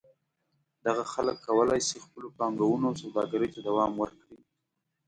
دغه خلک کولای شي خپلو پانګونو او سوداګرۍ ته دوام ورکړي.